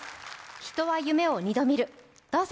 「人は夢を二度見る」、どうぞ。